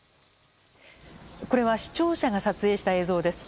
これは視聴者が撮影した映像です。